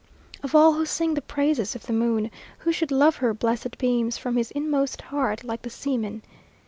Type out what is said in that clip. Of all who sing the praises of the moon, who should love her blessed beams from his inmost heart like the seaman?